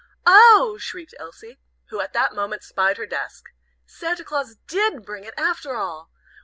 "Oh!" shrieked Elsie, who at that moment spied her desk, "Santa Claus did bring it, after all!